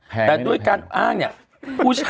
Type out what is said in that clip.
แต่ด้วยการอ้างเนี่ยอุ๊ยใครเนี่ย